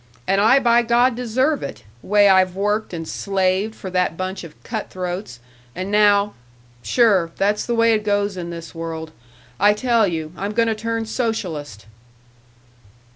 And I by God deserve it way I've worked and slaved for that bunch of cutthroats, and now Sure, that's the way it goes in this world. I tell you, I'm gonna turn socialist!"